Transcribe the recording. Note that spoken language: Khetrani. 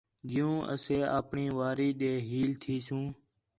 حِیّوں اَسے اپݨی واری ݙے ھیل تِھیسوں